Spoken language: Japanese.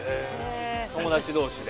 友達同士で。